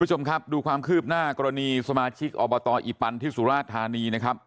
คุณผู้ชมครับดูความคืบหน้ากรณีสมาชิกอบตอีปันที่สุราชธานีนะครับ